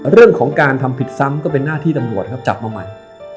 เรื่องของการทำผิดซ้ำก็เป็นหน้าที่ตำรวจครับจับมาใหม่